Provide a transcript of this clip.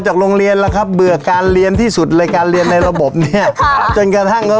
จากเดิมที่ขายได้๓๐๐๐บาท